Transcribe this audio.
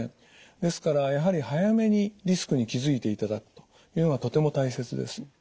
ですからやはり早めにリスクに気付いていただくというのがとても大切です。